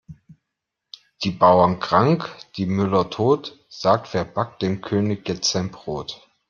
Die Bauern krank, die Müller tot, sagt wer backt dem König jetzt sein Brot?